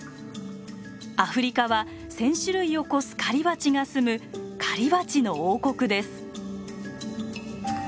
アフリカは１，０００種類を超す狩りバチがすむ狩りバチの王国です。